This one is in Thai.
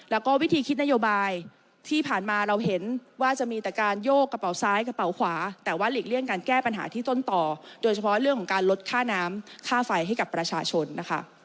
แล้วก็วิธีคิดนโยบายที่ผ่านมาเราเห็นว่าจะมีแต่การโยกกระเป๋าซ้ายกระเป๋าขวาแต่ว่าหลีกเลี่ยงการแก้ปัญหาที่ต้นต่อโดยเฉพาะเรื่องของการลดค่าน้ำค่าไฟให้กับประชาชนนะคะ